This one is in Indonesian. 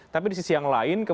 tapi di sisi yang lain